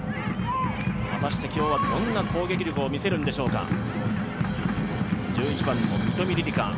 果たして今日はどんな攻撃力を見せるのでしょうか。